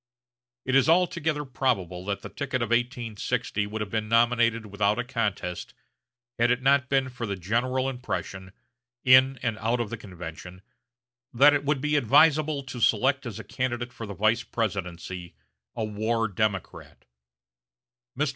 It is altogether probable that the ticket of 1860 would have been nominated without a contest had it not been for the general impression, in and out of the convention, that it would be advisable to select as a candidate for the vice presidency a war Democrat. Mr.